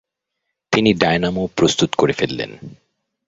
তিনি ডায়নামো প্রস্তুত করে ফেললেন।